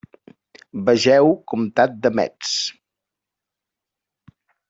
Vegeu comtat de Metz.